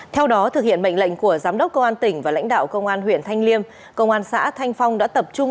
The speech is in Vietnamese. theo đó thực hiện mệnh lệnh của giám đốc công an tỉnh và lãnh đạo công an huyện thanh liêm công an xã thanh phong đã tập trung